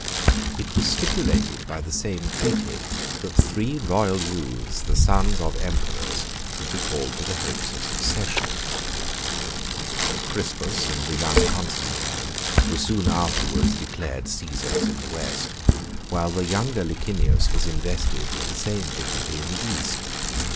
It was stipulated by the same treaty, that three royal youths, the sons of emperors, should be called to the hopes of the succession. Crispus and the young Constantine were soon afterwards declared Cæsars in the West, while the younger Licinius was invested with the same dignity in the East.